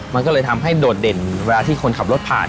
มันก็เลยทำให้โดดเด่นเวลาที่คนขับรถผ่าน